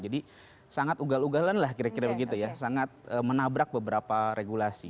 jadi sangat ugal ugalan lah kira kira begitu ya sangat menabrak beberapa regulasi